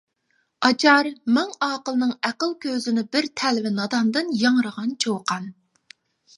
ئاچار مىڭ ئاقىلنىڭ ئەقىل كۆزىنى بىر تەلۋە ناداندىن ياڭرىغان چۇقان .